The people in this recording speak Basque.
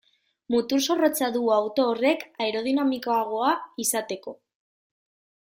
Mutur zorrotza du auto horrek aerodinamikoagoa izateko.